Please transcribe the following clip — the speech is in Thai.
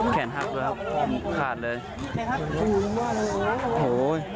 แขนหักแล้วครับขาดเลยใครครับโอ้โห